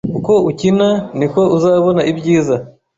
Uko ukina, niko uzabona ibyiza.